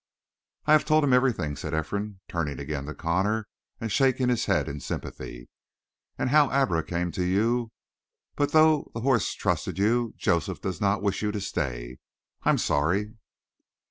"I have told him everything," said Ephraim, turning again to Connor and shaking his head in sympathy. "And how Abra came to you, but though the horse trusted you, Joseph does not wish you to stay. I am sorry."